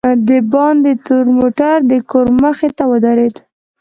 دباندې تور موټر دکور مخې ته ودرېد.